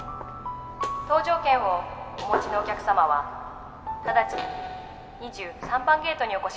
「搭乗券をお持ちのお客様は直ちに２３番ゲートにお越しください」